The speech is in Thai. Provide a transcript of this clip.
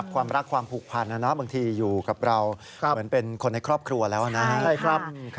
ความรักความผูกพันบางทีอยู่กับเราเหมือนเป็นคนในครอบครัวแล้วนะครับ